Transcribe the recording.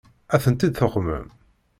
Ad tent-id-tuqmem?